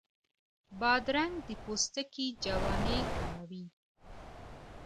بادرنګ د پوستکي جوانۍ کموي.